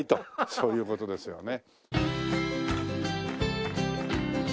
そういう事ですよね。